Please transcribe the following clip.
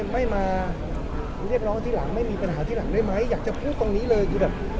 ไม่มาเรียกร้องทีหลังไม่มีปัญหาที่หลังได้ไหมอยากจะพูดตรงนี้เลยคือแบบ